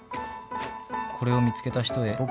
「これを見つけた人へ」